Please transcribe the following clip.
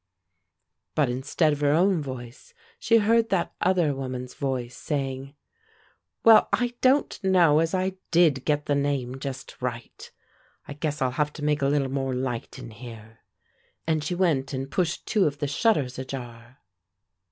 But instead of her own voice she heard that other woman's voice, saying, "Well, I don't know as I did get the name just right. I guess I'll have to make a little more light in here," and she went and pushed two of the shutters ajar.